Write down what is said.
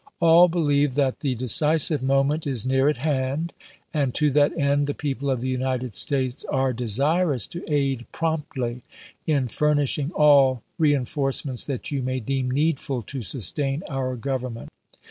.. All believe that the de cisive moment is near at hand, and to that end the people of the United States are desirous to aid promptly in furnishing all reenforcements that you may deem needful to sustain our Government."